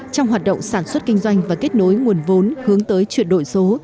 trong hoạt động sản xuất kinh doanh và kết nối nguồn vốn hướng tới chuyển đổi số